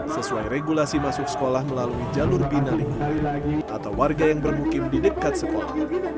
sesuai regulasi masuk sekolah melalui jalur bina lingkungan atau warga yang bermukim di dekat sekolah